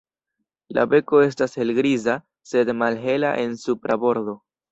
La beko estas helgriza, sed malhela en supra bordo.